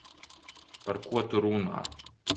Par ko tu runā?